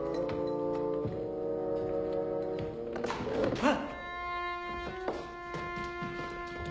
あっ！